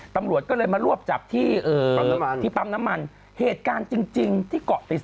ตำรวจก็เลยมารวบจับที่ปั๊มน้ำมันเหตุการณ์จริงจริงที่เกาะติด